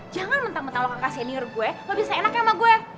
jangan mentang mentang lo kakak senior gue lo bisa seenaknya sama gue